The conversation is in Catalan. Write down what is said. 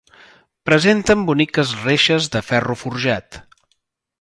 Presenten boniques reixes de ferro forjat.